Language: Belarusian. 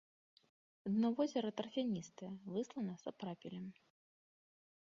Дно возера тарфяністае, выслана сапрапелем.